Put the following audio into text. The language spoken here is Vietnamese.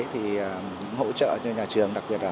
thì hỗ trợ cho nhà trường đặc biệt là